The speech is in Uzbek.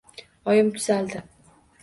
Oyim tuzaldi.